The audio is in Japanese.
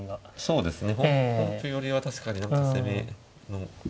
そうですね